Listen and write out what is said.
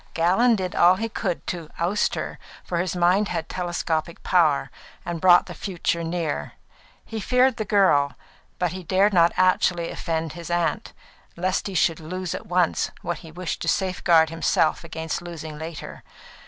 Gallon did all he could to oust her, for his mind had telescopic power and brought the future near. He feared the girl, but he dared not actually offend his aunt, lest he should lose at once what he wished to safeguard himself against losing later.